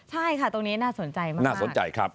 ใช่ค่ะตรงนี้น่าสนใจมาก